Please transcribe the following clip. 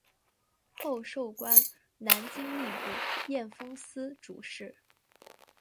后授官南京吏部验封司主事。